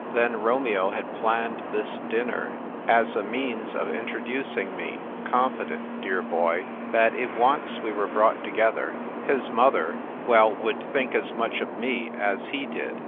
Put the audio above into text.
Then Romeo had planned this dinner as a means of introducing me, con fident (dear boy) that if once we were brought together, his mother — well, would think as much of me as he did.